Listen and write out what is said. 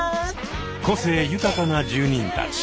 個性豊かな住人たち。